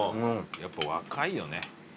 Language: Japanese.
やっぱ若いよね。